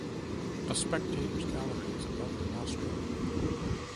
A spectators' gallery is above the rostrum.